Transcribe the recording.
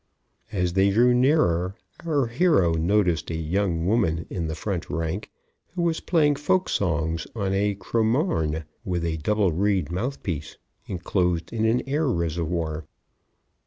] As they drew nearer, our hero noticed a young woman in the front rank who was playing folk songs on a cromorne with a double reed mouth piece enclosed in an air reservoir.